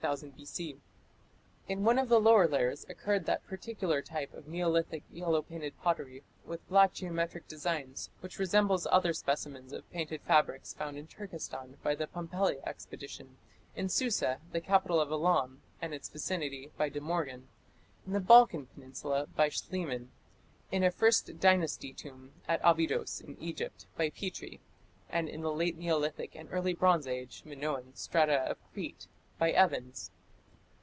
In one of the lower layers occurred that particular type of Neolithic yellow painted pottery, with black geometric designs, which resembles other specimens of painted fabrics found in Turkestan by the Pumpelly expedition; in Susa, the capital of Elam, and its vicinity, by De Morgan; in the Balkan peninsula by Schliemann; in a First Dynasty tomb at Abydos in Egypt by Petrie; and in the late Neolithic and early Bronze Age (Minoan) strata of Crete by Evans.